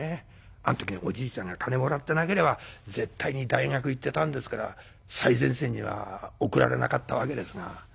あん時におじいさんが金もらってなければ絶対に大学行ってたんですから最前線には送られなかったわけですが。